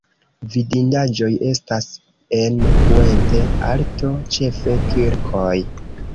Vidindaĵoj estas en Puente Alto ĉefe kirkoj.